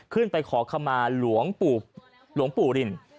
ขึ้นไปขอคำมาหลวงปู่ริน